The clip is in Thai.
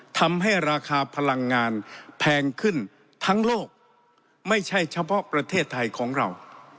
ทำให้ราคาพลังงานแพงขึ้นทั้งโลกไม่ใช่เฉพาะประเทศไทยของเรา